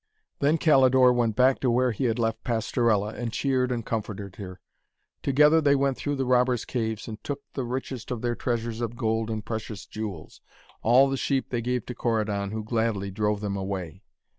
Then Calidore went back to where he had left Pastorella, and cheered and comforted her. Together they went through the robbers' caves, and took the richest of their treasures of gold and precious jewels. All the sheep they gave to Corydon, who gladly drove them away.